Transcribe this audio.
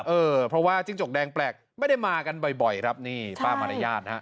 เออเพราะว่าจิ้งจกแดงแปลกไม่ได้มากันบ่อยครับนี่ป้ามารยาทนะฮะ